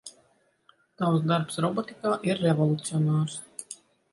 Tavs darbs robotikā ir revolucionārs.